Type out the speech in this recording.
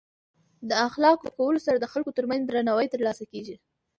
د اخلاقو په ښه کولو سره د خلکو ترمنځ درناوی ترلاسه کول.